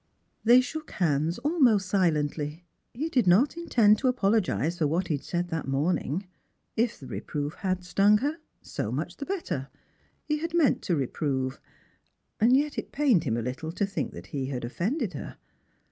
They shook hands almost silently. He did not intend to apologise for what he had said that morning. If the reproof had stung her, so much the better. He had meant to reprove. And yet it pained him a little to think that he had offended her.